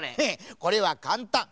これはかんたん。